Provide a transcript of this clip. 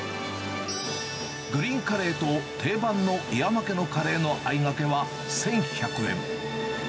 グリーンカレーと定番の岩間家のカレーのあいがけは１１００円。